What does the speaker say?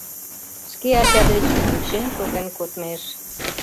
Шке ача деч ончен, шоген кодмеш